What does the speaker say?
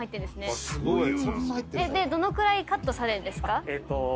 でどのくらいカットされるんですか？